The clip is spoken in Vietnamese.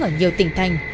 ở nhiều tỉnh thành